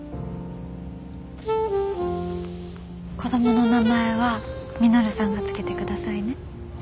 子供の名前は稔さんが付けてくださいね。